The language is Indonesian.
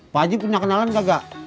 pak haji punya kenalan gagak